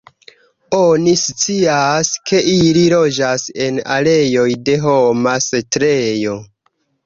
Oni scias, ke ili loĝas en areoj de homa setlejo.